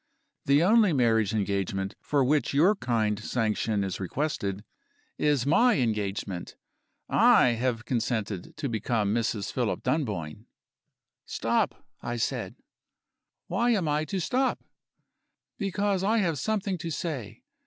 The only marriage engagement for which your kind sanction is requested, is my engagement. I have consented to become Mrs. Philip Dunboyne.'" "Stop!" I said. "Why am I to stop?" "Because I have something to say.